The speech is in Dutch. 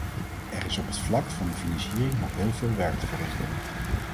Er is op het vlak van de financiering nog heel veel werk te verrichten.